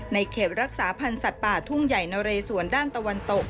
เขตรักษาพันธ์สัตว์ป่าทุ่งใหญ่นะเรสวนด้านตะวันตก